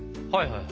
はい！